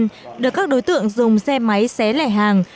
được các đối tượng dùng xe máy xé lẻ hàng